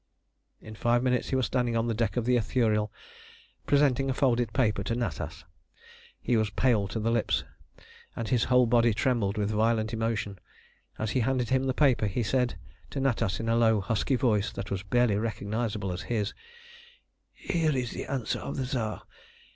In five minutes he was standing on the deck of the Ithuriel presenting a folded paper to Natas. He was pale to the lips, and his whole body trembled with violent emotion. As he handed him the paper, he said to Natas in a low, husky voice that was barely recognisable as his "Here is the answer of the Tsar.